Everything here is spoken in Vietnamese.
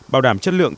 bảo đảm chất lượng